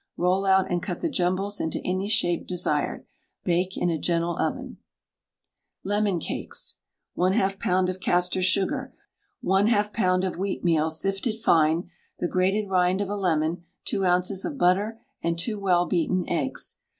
Roll out and cut the jumbles into any shape desired. Bake in a gentle oven. LEMON CAKES. 1/2 lb. of castor sugar, 1/2 lb. of wheatmeal, sifted fine, the grated rind of a lemon, 2 oz. of butter, and 2 well beaten eggs.